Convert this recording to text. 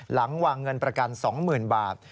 หลังวางเงินประกัน๒๐๐๐บาท